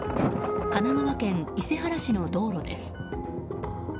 神奈川県伊勢原市の道路です。